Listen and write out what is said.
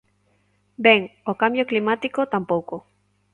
Ben, o cambio climático, tampouco.